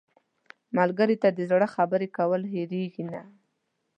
ملګری ته د زړه خبرې کول هېرېږي نه